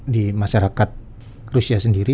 di masyarakat rusia sendiri